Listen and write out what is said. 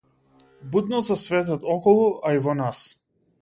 Будност за светот околу, а и во нас.